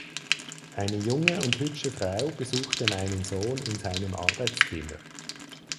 Eine junge und hübsche Frau besuchte meinen Sohn in seinem Arbeitszimmer.